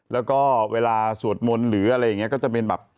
แล้วก็เวลาสวดมนต์หรืออะไรอย่างนี้ก็จะเป็นแบบ